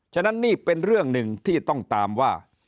ฉะนั้นนี่เป็นเรื่องหนึ่งที่ต้องตามว่า